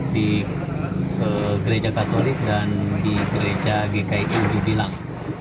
di gereja katolik dan di gereja gki cibilang